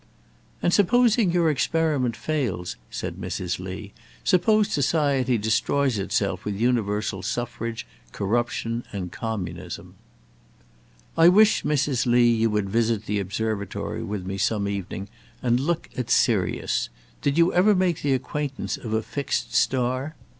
"And supposing your experiment fails," said Mrs. Lee; "suppose society destroys itself with universal suffrage, corruption, and communism." "I wish, Mrs. Lee, you would visit the Observatory with me some evening, and look at Sirius. Did you ever make the acquaintance of a fixed star?